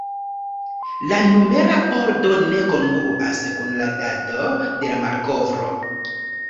La numera ordo ne kongruas kun la dato de la malkovro.